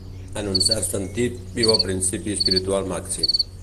En un cert sentit, viu el principi espiritual màxim.